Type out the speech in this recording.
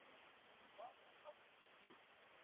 mambo yaliyokuwa yakijiri katika mkutano huo